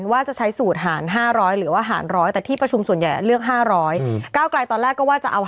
ว่าจะใช้สูตรหาร๕๐๐หรือว่าหาร๑๐๐แต่ที่ประชุมส่วนใหญ่เลือก๕๐๐